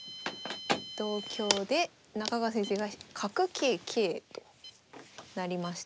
同香で中川先生が角桂桂となりました。